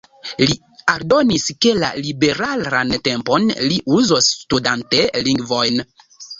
Li aldonis, ke la liberan tempon li uzos studante lingvojn.